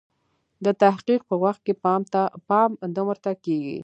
د تحقیق په وخت کې پام نه ورته کیږي.